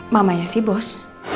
mamanya si bos